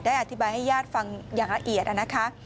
อธิบายให้ญาติฟังอย่างละเอียดนะคะ